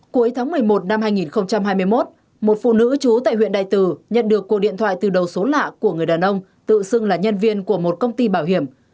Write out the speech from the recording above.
cuối tháng một mươi một năm hai nghìn hai mươi một một phụ nữ trú tại huyện đại từ nhận được cuộc điện thoại từ đầu số lạ của người đàn ông tự xưng là nhân viên của một công ty bảo hiểm